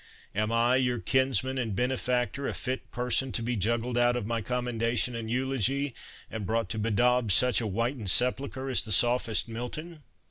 Am I, your kinsman and benefactor, a fit person to be juggled out of my commendation and eulogy, and brought to bedaub such a whitened sepulchre as the sophist Milton?"